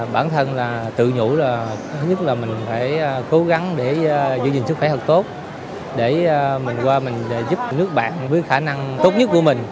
bản thân tự nhủ là thứ nhất là mình phải cố gắng để giữ gìn sức khỏe hợp tốt để mình qua giúp nước bạn với khả năng tốt nhất của mình